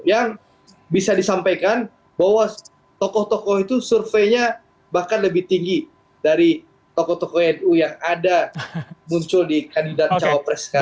yang bisa disampaikan bahwa tokoh tokoh itu surveinya bahkan lebih tinggi dari tokoh tokoh nu yang ada muncul di kandidat cawapres sekarang